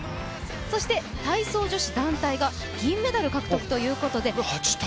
そして体操女子団体が銀メダル獲得ということで。